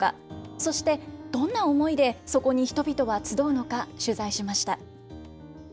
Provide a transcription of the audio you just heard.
そして、どんな思いでそこに人々は集うのか、取材しました。